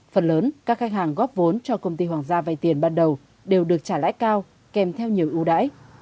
phần lớn các khách hàng góp vốn cho công ty hoàng gia vay tiền ban đầu đều được trả lãi cao kèm theo nhiều ưu đãi